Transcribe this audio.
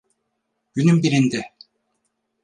Günün birinde.